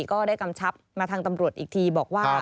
กำชับมาทางตำรวจอีกทีบอกว่า